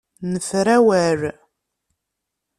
Nefra awal.